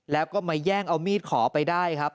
แล้วก็มาแย่งเอามีดขอไปได้ครับ